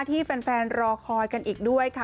ที่แฟนรอคอยกันอีกด้วยค่ะ